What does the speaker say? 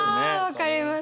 分かります！